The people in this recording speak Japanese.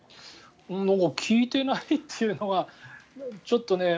聞いてないというのがちょっとね。